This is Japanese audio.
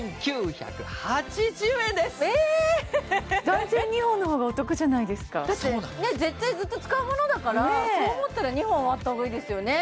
断然２本の方がお得じゃないですかだって絶対ずっと使うものだからそう思ったら２本あった方がいいですよね